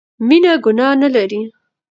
مينه ګناه نه لري